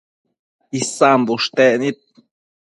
Isan bushtec nid